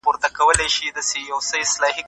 د حوالو ناسم یادول لوستونکي ګډوډوي.